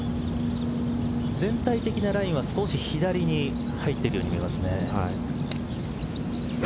全体的なラインは少し左に入っていくるように見えますね。